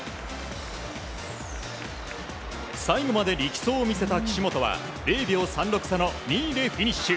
最後まで力走を見せた岸本は０秒３６差の２位でフィニッシュ。